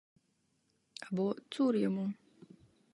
Або — цур йому!